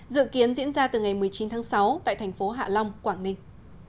dự kiến diễn ra từ ngày một mươi chín tháng sáu tại thành phố hạ long quảng ninh